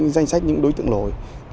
danh sách những đối tượng lồi